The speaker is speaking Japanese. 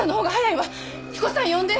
彦さん呼んで！